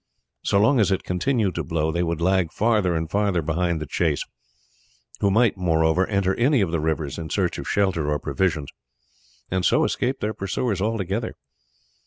So long as it continued to blow they would lag farther and farther behind the chase, who might, moreover enter any of the rivers in search of shelter or provisions, and so escape their pursuers altogether.